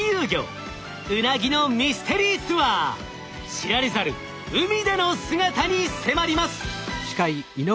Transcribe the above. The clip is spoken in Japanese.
知られざる海での姿に迫ります！